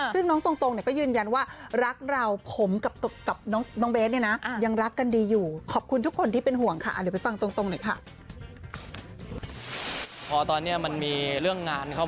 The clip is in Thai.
ซึ่งน้องตรงเนี่ยก็ยืนยันว่า